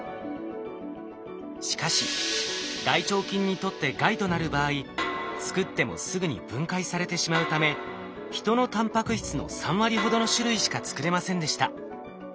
しかし大腸菌にとって害となる場合作ってもすぐに分解されてしまうため人のタンパク質の３割ほどの種類しか作れませんでした。